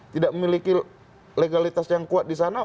tidak memiliki legalitas yang kuat di sana